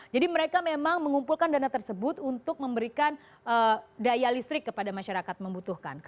jadi mereka memang mengumpulkan dana tersebut untuk memberikan daya listrik kepada masyarakat membutuhkan